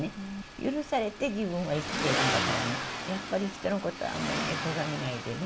許されて自分は生きてるんだからね、やっぱり人のことをあんまりね、とがめないでね。